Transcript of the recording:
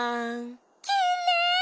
きれい！